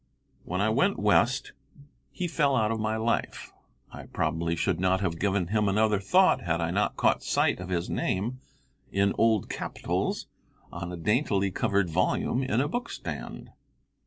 When I went West, he fell out of my life. I probably should not have given him another thought had I not caught sight of his name, in old capitals, on a daintily covered volume in a book stand.